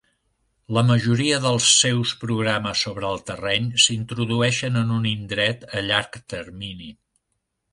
La majoria dels seus programes sobre el terreny s'introdueixen en un indret a llarg termini.